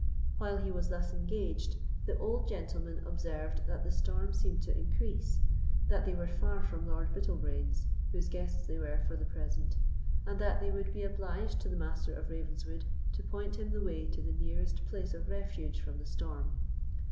While he was thus engaged, the old gentleman observed that the storm seemed to increase; that they were far from Lord Bittlebrains's, whose guests they were for the present; and that he would be obliged to the Master of Ravenswood to point him the way to the nearest place of refuge from the storm.